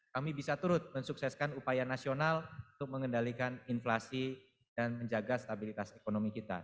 kami bisa turut mensukseskan upaya nasional untuk mengendalikan inflasi dan menjaga stabilitas ekonomi kita